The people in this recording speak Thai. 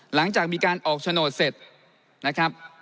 หลังจากมีการออกโฉนดเสร็จนะครับ